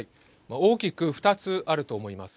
大きく２つあると思います。